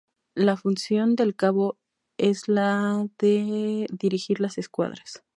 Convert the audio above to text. La función del cabo es la de dirigir las escuadras.